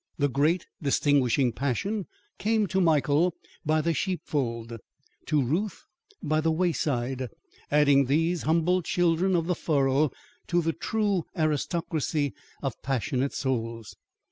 The great, distinguishing passion came to Michael by the sheepfold, to Ruth by the wayside, adding these humble children of the furrow to the true aristocracy of passionate souls.